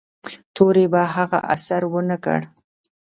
تورې په هغه اثر و نه کړ.